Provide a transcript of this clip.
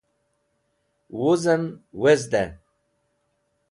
Wuzem wezday